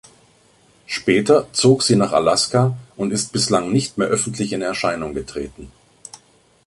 Später zog sie nach Alaska und ist bislang nicht mehr öffentlich in Erscheinung getreten.